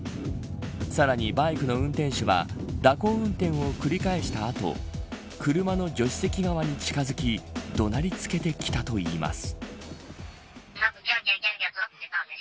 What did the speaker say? さらに、バイクの運転手は蛇行運転を繰り返した後車の助手席側に近づき怒鳴りつけてきたといいます。